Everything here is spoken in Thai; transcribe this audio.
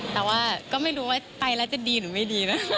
แต่ว่าก็ไม่รู้ว่าไปแล้วจะดีหรือไม่ดีนะคะ